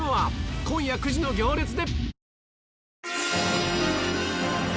今夜９時の『行列』で。